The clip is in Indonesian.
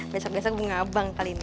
besar besar gue ngabang kali ini